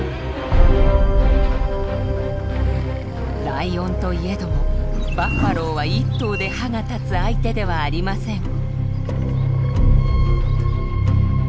ライオンといえどもバッファローは１頭で歯が立つ相手ではありません。